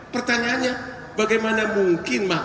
pertanyaannya bagaimana mungkin